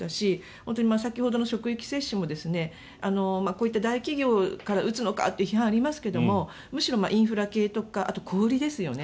本当に先ほどの職域接種もこういった大企業から打つのかという批判がありますけどむしろ、インフラ系とかあと小売りですよね。